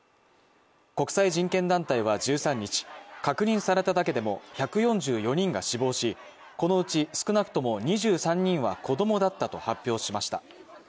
国際人権団体は１３日、確認されただけでも１４４人が死亡しこのうち少なくとも２３人は子供だったと発表しました。